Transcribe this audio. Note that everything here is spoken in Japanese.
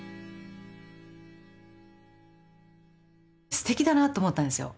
すてきだなと思ったんですよ。